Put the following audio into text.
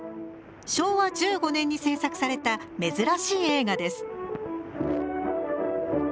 昭和１５年に製作された珍しい映画です。